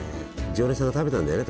常連さんが食べたんだよね